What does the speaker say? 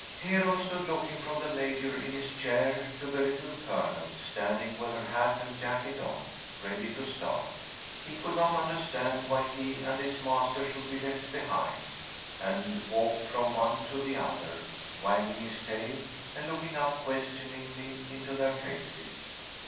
Hero stood looking from the Major in his chair, to the Little Colonel, standing with her hat and jacket on, ready to start. He could not understand why he and his master should be left behind, and walked from one to the other, wagging his tail and looking up questioningly into their faces.